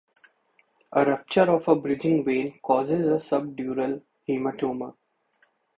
A rupture of a bridging vein causes a subdural hematoma.